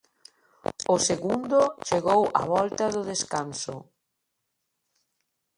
O segundo chegou á volta do descanso.